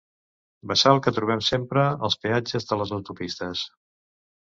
Bassal que trobem sempre als peatges de les autopistes.